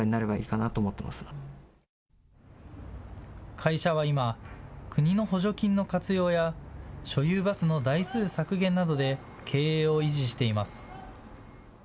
会社は今、国の補助金の活用や所有バスの台数削減などで経営を維持しています。